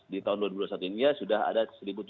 di tahun dua ribu dua puluh satu ini sudah ada satu tujuh ratus